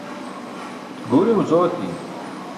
guurimuc ooti